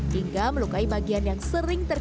hingga melukai bagian yang sering terjadi